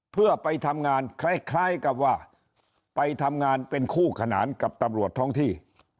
เพื่อไปทำงานคล้ายกับว่าไปทำงานเป็นคู่ขนานกับตำรวจท้องที่